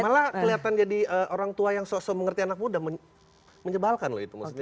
malah kelihatan jadi orang tua yang sok sok mengerti anak muda menyebalkan loh itu maksudnya